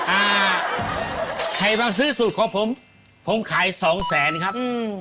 อ่าใครมาซื้อสูตรของผมผมขาย๒๐๐๐๐๐บาทครับ